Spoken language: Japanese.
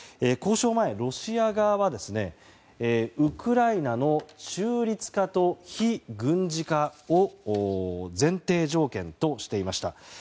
交渉前、ロシア側はウクライナの中立化と非軍事化を前提条件としていました。